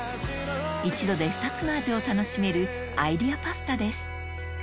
１度で２つの味を楽しめるアイデアパスタです